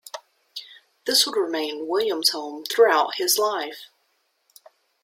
This would remain William's home throughout his life.